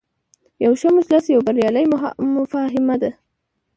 یو ښه مجلس یوه بریالۍ مفاهمه ده.